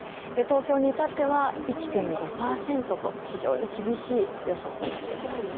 東京に至っては１．５％と非常に厳しい予想となっています。